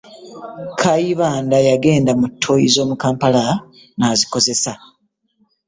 Kayibanda yagenda mu ttooyi z’omu Kampala, n’azikozesa.